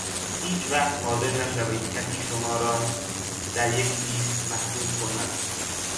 هیچ وقت حاضر نشوید کسی شما در یک لیست محدود کند.